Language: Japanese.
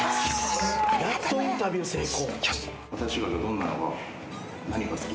やっとインタビュー成功。